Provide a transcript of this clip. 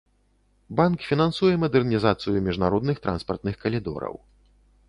Банк фінансуе мадэрнізацыю міжнародных транспартных калідораў.